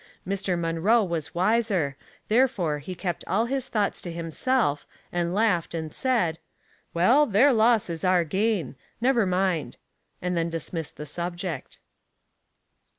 Mr. Munroe was wiser, therefore he kept all his thoughts to himself, and laughed, and said, —'•' Well, their loss is our gain. Never mind," and then dismissed the subject.